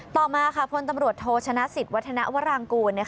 ต่อมาพลตำรวจโทชนะสิทธิวัฒนวรางกูล